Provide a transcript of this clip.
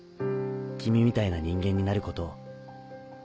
君みたいな人間になることを